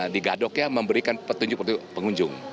di gadoknya memberikan petunjuk untuk pengunjung